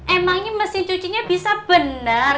emangnya mesin cuci nya bisa benar